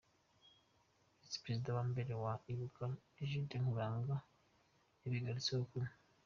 Visi Perezida wa mbere wa Ibuka, Egide Nkuranga, yabigarutseho ku .